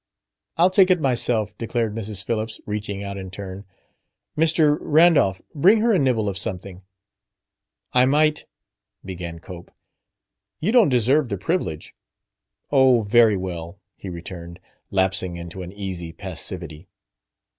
"I'll take it myself," declared Mrs. Phillips, reaching out in turn. "Mr. Randolph, bring her a nibble of something." "I might " began Cope. "You don't deserve the privilege." "Oh, very well," he returned, lapsing into an easy passivity.